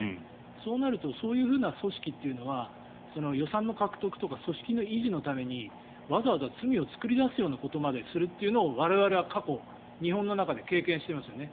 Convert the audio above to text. そうなるとそういうふうな組織というのは予算の獲得とか組織の維持のためにわざわざ罪を作り出すまでするっていうのを我々は過去日本の中で経験していますよね。